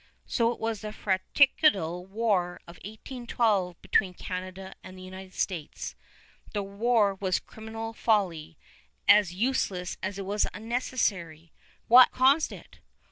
So it was in the fratricidal war of 1812 between Canada and the United States. The war was criminal folly, as useless as it was unnecessary. What caused it?